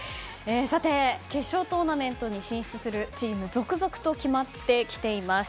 さて、決勝トーナメントに進出するチームが続々と決まってきています。